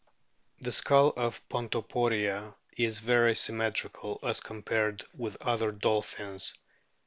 The skull of Pontoporia is very symmetrical as compared with other dolphins.